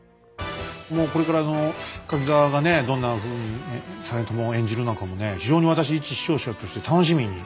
もうこれから柿澤がどんなふうに実朝を演じるのかもね非常に私一視聴者として楽しみに。